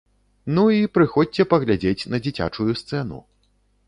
Ну, і прыходзьце паглядзець на дзіцячую сцэну.